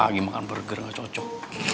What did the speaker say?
lagi makan burger nggak cocok